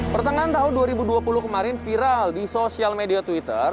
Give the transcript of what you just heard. pertengahan tahun dua ribu dua puluh kemarin viral di sosial media twitter